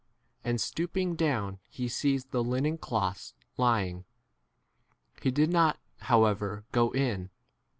5 and stooping down he sees the linen cloths lying ; he did not how 6 ever go in.